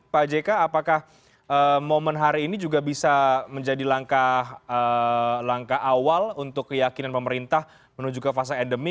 pak jk apakah momen hari ini juga bisa menjadi langkah awal untuk keyakinan pemerintah menuju ke fase endemi